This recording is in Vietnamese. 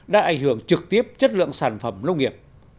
đã ảnh hưởng trực tiếp chất lượng sản phẩm nông nghiệp